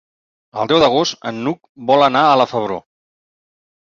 El deu d'agost n'Hug vol anar a la Febró.